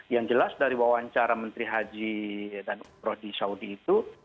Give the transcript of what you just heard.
yang jelas dari wawancara menteri haji dan umroh di saudi itu